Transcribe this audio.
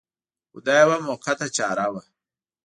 خو دا یوه موقته چاره وه.